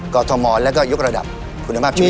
กรทมแล้วก็ยกระดับคุณภาพชีวิต